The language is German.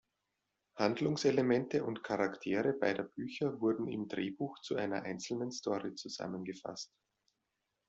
Handlungselemente und Charaktere beider Bücher wurden im Drehbuch zu einer einzelnen Story zusammengefasst.